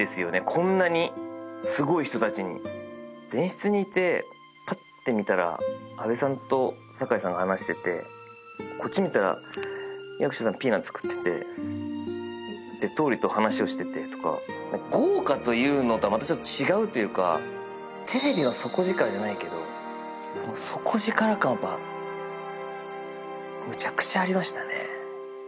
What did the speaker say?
こんなにすごい人達に前室にいてパッて見たら阿部さんと堺さんが話しててこっち見たら役所さんピーナツ食っててで桃李と話をしててとか豪華というのとはまたちょっと違うというかテレビの底力じゃないけどその底力感はやっぱむちゃくちゃありましたね